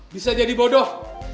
bisa jadi bodoh